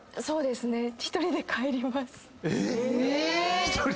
そうですね。